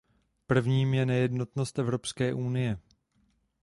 Prvním je nejednotnost Evropské unie.